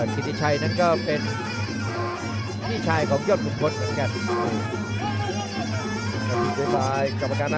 กิติชัยนั้นก็เป็นพี่ชายของยอดขุมพลเหมือนกัน